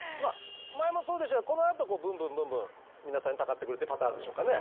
前もそうでしたがこのあとブンブンブンブン皆さんにたかってくるってパターンでしょうかね？